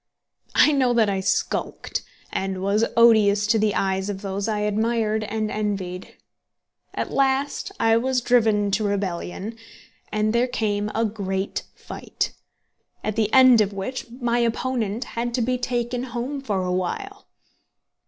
I know that I skulked, and was odious to the eyes of those I admired and envied. At last I was driven to rebellion, and there came a great fight, at the end of which my opponent had to be taken home for a while.